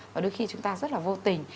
và đôi khi chúng ta rất là vô tình